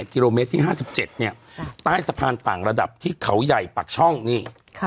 กิโลเมตรที่๕๗ใต้สะพานต่างระดับที่เขาใหญ่ปากช่องนี่